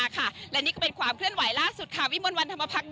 ค่ะและนี่ก็เป็นความเคลื่อนไหวล่าสุดจากบริเวณด้านหน้าโรงแรมรัฐนาโกศิลป์